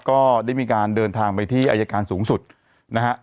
ก็ได้มีการเดินทางไปที่อายการสูงสุดนะฮะ